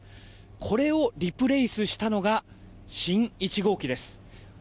これをリプレースしたのが新１号機です。